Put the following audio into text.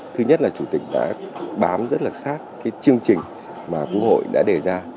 thứ nhất là chủ tịch đã bám rất là sát chương trình mà quốc hội đã đề ra